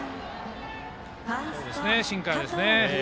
シンカーですね。